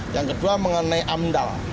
yang kedua mengenai amdal